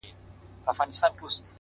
ته پې جانانه قدمــــــــــــونه اخله